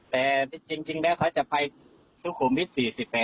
แต่จริงแล้วเขาจะไปสุขุมวิท๔๘